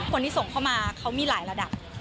คนที่ส่งเข้ามาเขามีหลายระดับ